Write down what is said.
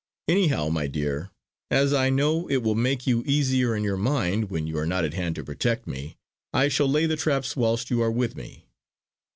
Anyhow, my dear, as I know it will make you easier in your mind, when you are not at hand to protect me, I shall lay the traps whilst you are with me.